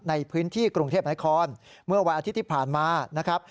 ในพื้นที่กรุงเทพนครเมื่อวันอาทิตย์ที่ผ่านมานะครับ